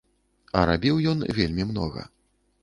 А рабіў ён вельмі многа.